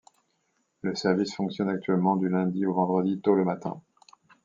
Le service fonctionne actuellement du lundi au vendredi tôt le matin.